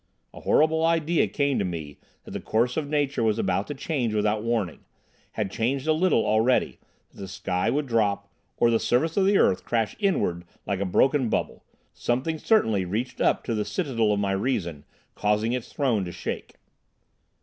A horrible idea came to me that the course of nature was about to change without warning, had changed a little already, that the sky would drop, or the surface of the earth crash inwards like a broken bubble. Something, certainly, reached up to the citadel of my reason, causing its throne to shake.